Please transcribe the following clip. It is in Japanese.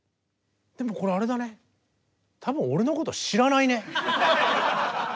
でもこれあれだね多分俺のこと知らないね。